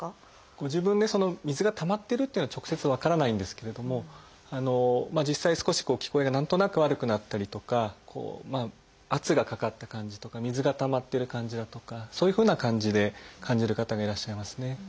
ご自分で水がたまってるっていうのは直接分からないんですけれども実際少し聞こえが何となく悪くなったりとか圧がかかった感じとか水がたまってる感じだとかそういうふうな感じで感じる方がいらっしゃいますね。